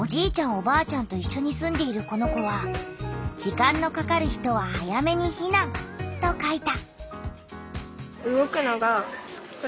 おばあちゃんといっしょに住んでいるこの子は「時間のかかる人は早めにひなん」と書いた。